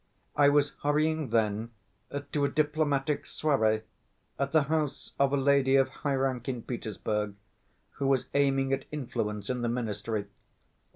I was hurrying then to a diplomatic soirée at the house of a lady of high rank in Petersburg, who was aiming at influence in the Ministry.